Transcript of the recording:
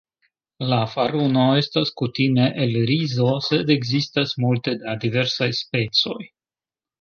La faruno estas kutime el rizo, sed ekzistas multe da diversaj specoj.